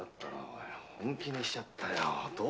本気にしちゃったよ。